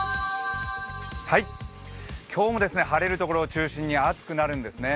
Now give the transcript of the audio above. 今日も晴れるところを中心に暑くなるんですね。